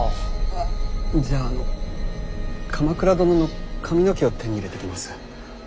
じゃああの鎌倉殿の髪の毛を手に入れてきます。